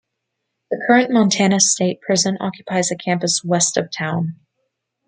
The current Montana State Prison occupies a campus west of town.